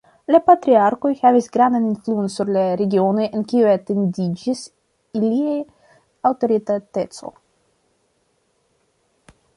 La patriarkoj havis grandan influon sur la regionoj en kiuj etendiĝis ilia aŭtoritateco.